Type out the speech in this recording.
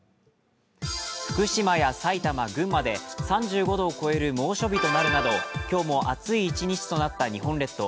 福島や埼玉、群馬で３５度を超える猛暑日となるなど、今日も暑い一日となった日本列島。